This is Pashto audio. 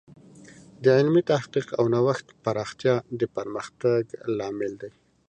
د علمي تحقیق او نوښت پراختیا د پرمختګ لامل دی.